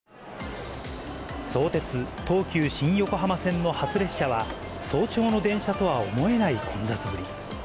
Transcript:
相鉄・東急新横浜線の初列車は、早朝の電車とは思えない混雑ぶり。